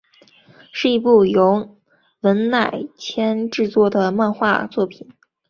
是一部由文乃千创作的漫画作品。